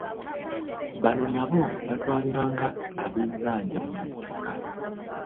Bano nabo batwalibwa nga ab'ebibanja mu mateeka.